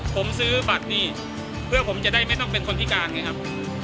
ผมซื้อบัตรนี่เพื่อผมจะได้ไม่ต้องเป็นคนพิการไงครับ